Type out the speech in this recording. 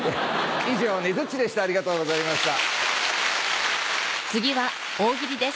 以上ねづっちでしたありがとうございました。